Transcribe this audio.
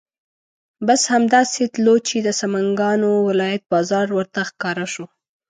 بس همدا سې تلو چې د سمنګانو ولایت بازار ورته ښکاره شو.